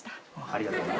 ありがとうな。